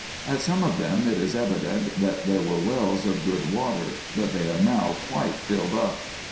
At some of them it is evident there were wells of good water, but they are now quite filled up.